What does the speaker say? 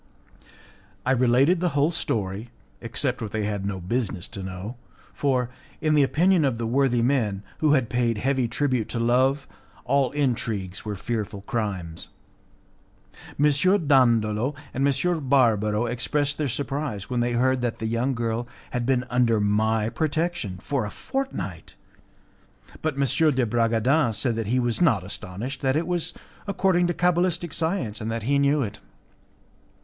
I related the whole story, except what they had no business to know, for, in the opinion of the worthy men, who had paid heavy tribute to Love, all intrigues were fearful crimes. M. Dandolo and M. Barbaro expressed their surprise when they heard that the young girl had been under my protection for a fortnight, but M. de Bragadin said that he was not astonished, that it was according to cabalistic science, and that he knew it.